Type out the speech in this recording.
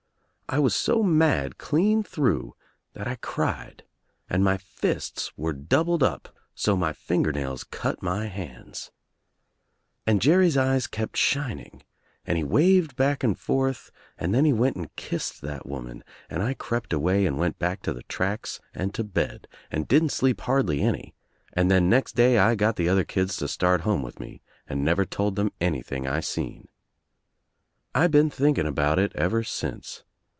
I was so mad clean through that I cried and my fists were doubled up so my finger nails cut my hands. And Jerry's eyes kept shining and he waved back and forth, and then he went and kissed that woman and I crept away and went back to the tracks and to bed and didn't sleep hardly any, and then next day I got the other kids to start home with me and never told them anything I seen. I been thinking about it ever since.